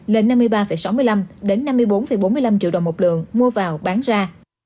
lên năm mươi ba sáu mươi năm năm mươi bốn bốn mươi năm triệu đồng một lượng mua vào bán ra